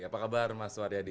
apa kabar mas suharyadi